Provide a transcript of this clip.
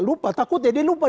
lupa takutnya dia lupa